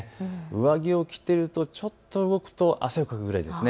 上着を着ているとちょっと動くと汗をかくくらいですね。